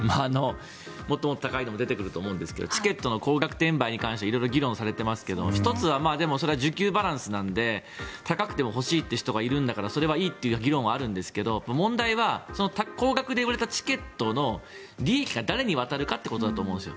もっと高いのも出てくると思うんですけどチケットの高額転売に関しては色々議論されていますけど１つは需給バランスなので高くても欲しいという人がいるんだからそれはいいという議論はあるんですが問題は高額で売れたチケットの利益が誰に渡るかってことだと思うんです。